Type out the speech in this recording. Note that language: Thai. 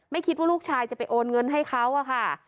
คิดว่าลูกชายจะไปโอนเงินให้เขาอะค่ะ